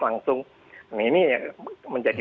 langsung ini menjadi